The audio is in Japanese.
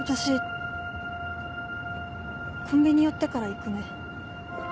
コンビニ寄ってから行くね。